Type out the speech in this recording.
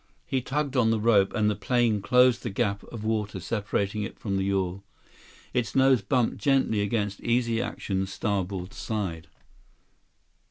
He tugged on the rope, and the plane closed the gap of water separating it from the yawl. Its nose bumped gently against Easy Action's starboard side.